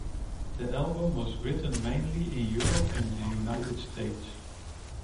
The album was written mainly in Europe and the United States.